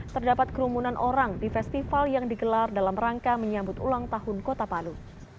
terdapat kerumunan orang di festival yang digelar dalam rangka menyambut ulang tahun kota palu